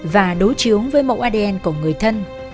và đối chiếu với mẫu adn của người thân